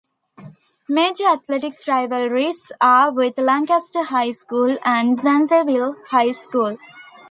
Major athletics rivalries are with Lancaster High School and Zanesville High School.